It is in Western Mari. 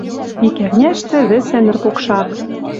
Ик ӓрняштӹ вӹса ныр покшак!..»